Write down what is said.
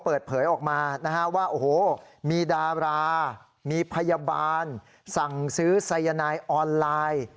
เปิดเผยออกมานะฮะว่าโอ้โหมีดารามีพยาบาลสั่งซื้อสายนายออนไลน์